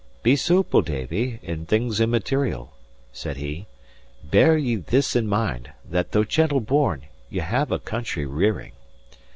"Be soople, Davie, in things immaterial," said he. "Bear ye this in mind, that, though gentle born, ye have had a country rearing.